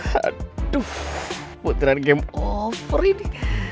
aduh puteran game over ini